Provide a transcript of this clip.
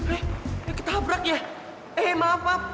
eh ketabrak ya eh maaf pap